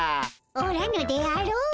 おらぬであろう。